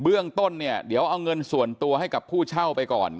เรื่องต้นเนี่ยเดี๋ยวเอาเงินส่วนตัวให้กับผู้เช่าไปก่อน